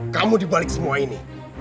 kamu dibalik semua ini